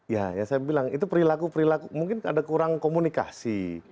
ya ya saya bilang itu perilaku perilaku mungkin ada kurang komunikasi